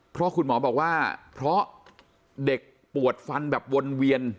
เพราะคุณหมอบอกว่าเพราะเด็กปวดฟันแบบวนเวียน